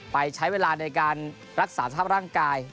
ไปใช้เวลาในการรักษาสภาพร่างกาย